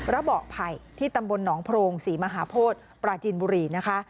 ระเบาะไผ่ที่ตำบลหนองโพรงศรีมหาโพธิปราจีนบุรีนะคะ